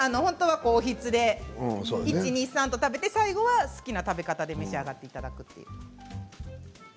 おひつで１、２、３と食べて最後は好きな食べ方で召し上がっていただくと。